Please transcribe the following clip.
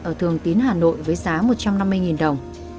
ở thường tín hà nội với giá một trăm năm mươi đồng